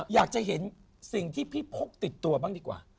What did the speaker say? อยากจะเห็นสิ่งที่พี่พกติดตัวบ้างดีกว่า